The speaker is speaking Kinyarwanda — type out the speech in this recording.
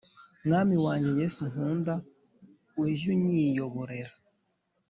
Mwami wanjye Yesu nkunda, ujy’ unyiyoborera.